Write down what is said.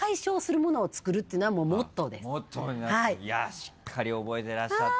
しっかり覚えてらっしゃった。